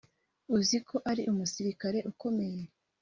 uziko ari umusirikare ukomeye